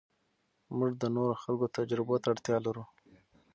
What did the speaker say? موږ د نورو خلکو تجربو ته اړتیا لرو.